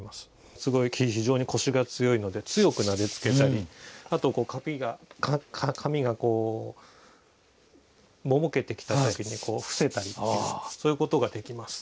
すごい非常に腰が強いので強くなでつけたりあと紙がこうももけてきた時にこうふせたりっていうそういうことができます。